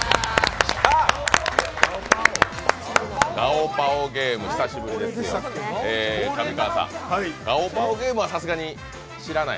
「ガオパオゲーム」、久しぶりですけど上川さん、「ガオパオゲーム」はさすがに知らない？